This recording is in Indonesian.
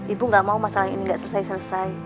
ibu gak mau masalah ini nggak selesai selesai